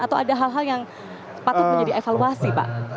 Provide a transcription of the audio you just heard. atau ada hal hal yang patut menjadi evaluasi pak